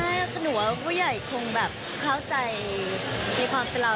หนูว่าผู้ใหญ่คงแบบเข้าใจในความเป็นเรา